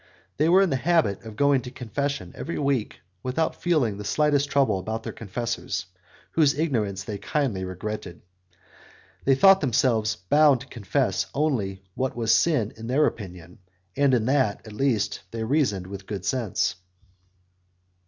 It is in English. They were in the habit of going to confession every week, without feeling the slightest trouble about their confessors, whose ignorance they kindly regretted. They thought themselves bound to confess only what was a sin in their own opinion, and in that, at least, they reasoned with good sense.